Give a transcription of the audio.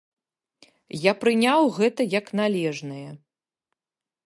Я прыняў гэта як належнае.